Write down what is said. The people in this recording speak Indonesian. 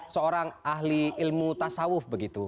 seorang ahli ilmu tasawuf begitu